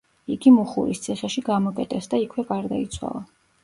იგი მუხურის ციხეში გამოკეტეს და იქვე გარდაიცვალა.